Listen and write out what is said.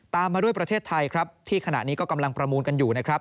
ตามมาด้วยประเทศไทยที่ขณะนี้ก็กำลังประมูลกันอยู่